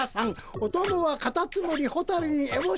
おともはカタツムリホタルにえぼし」。